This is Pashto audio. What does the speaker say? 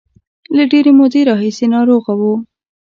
له ډېرې مودې راهیسې ناروغه و.